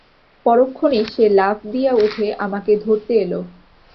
পরক্ষণেই সে লাফ দিয়ে উঠে আমাকে ধরতে এল।